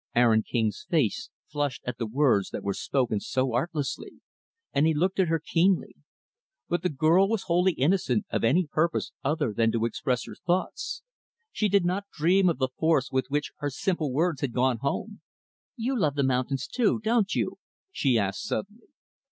Aaron King's face flushed at the words that were spoken so artlessly; and he looked at her keenly. But the girl was wholly innocent of any purpose other than to express her thoughts. She did not dream of the force with which her simple words had gone home. "You love the mountains, too, don't you?" she asked suddenly.